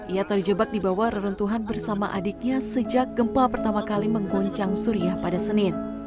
ia terjebak di bawah reruntuhan bersama adiknya sejak gempa pertama kali mengguncang suriah pada senin